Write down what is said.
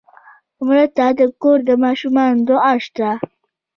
مړه ته د کور د ماشومانو دعا شته